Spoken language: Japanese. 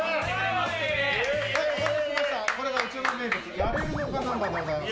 これがうちの名物やれるのか南蛮でございます。